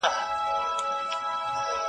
فکر اوچت غواړمه قد خم راکه,